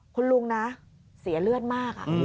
คุณลุงนะเสียเลือดมาก